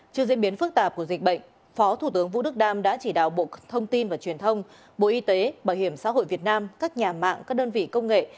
trước diễn biến phức tạp của dịch bệnh phó thủ tướng vũ đức đam đã chỉ đạo bộ thông tin và truyền thông bộ y tế bảo hiểm xã hội việt nam các nhà mạng các đơn vị công nghệ